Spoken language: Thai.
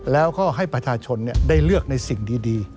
แล้วก็ให้ประชาชนได้เลือกในสิ่งดี